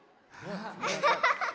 アハハハハ！